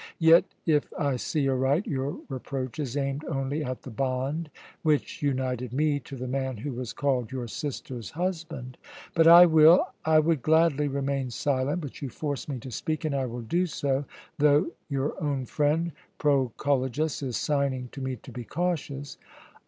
"Yet, if I see aright, your reproach is aimed only at the bond which united me to the man who was called your sister's husband. But I will I would gladly remain silent, but you force me to speak, and I will do so, though your own friend, Proculejus, is signing to me to be cautious.